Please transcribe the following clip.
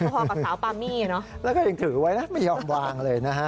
พอกับสาวปามี่เนอะแล้วก็ยังถือไว้นะไม่ยอมวางเลยนะฮะ